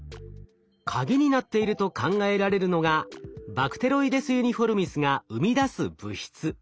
カギになっていると考えられるのがバクテロイデス・ユニフォルミスが生み出す物質。